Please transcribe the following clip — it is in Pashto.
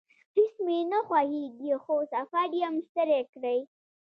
هیڅ مې نه خوښیږي، خو سفر یم ستړی کړی